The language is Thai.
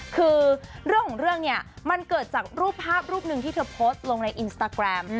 คือเรื่องของเรื่องเนี่ยมันเกิดจากรูปภาพรูปหนึ่งที่เธอโพสต์ลงในอินสตาแกรม